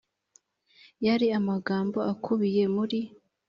yari amagambo akubiye muri